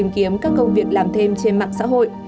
tìm kiếm các công việc làm thêm trên mạng xã hội